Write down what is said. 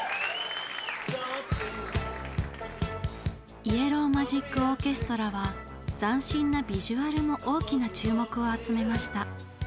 イエロー・マジック・オーケストラは斬新なビジュアルも大きな注目を集めました。